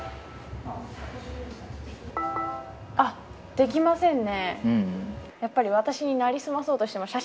できませんね。